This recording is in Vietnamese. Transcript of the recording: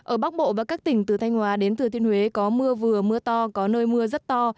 ở bắc bộ và các tỉnh từ thanh hóa đến thừa thiên huế có mưa vừa mưa to có nơi mưa rất to